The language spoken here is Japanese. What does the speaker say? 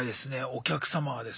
お客様はですね